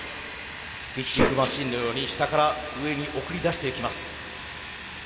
ピッチングマシンのように下から上に送り出していきます。